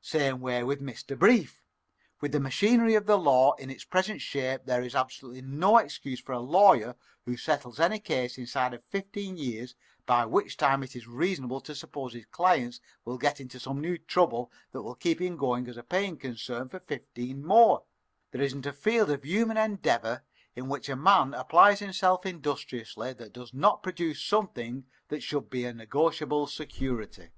Same way with Mr. Brief. With the machinery of the law in its present shape there is absolutely no excuse for a lawyer who settles any case inside of fifteen years, by which time it is reasonable to suppose his client will get into some new trouble that will keep him going as a paying concern for fifteen more. There isn't a field of human endeavor in which a man applies himself industriously that does not produce something that should be a negotiable security."